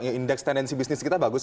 ya indeks tendensi bisnis kita bagus